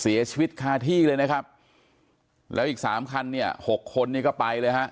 เสียชีวิตคาที่เลยนะครับแล้วอีกสามคันเนี่ยหกคนนี้ก็ไปเลยฮะ